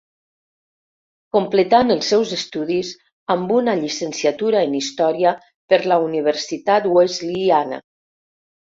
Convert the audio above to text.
Completant els seus estudis amb una llicenciatura en història per la Universitat Wesleyana.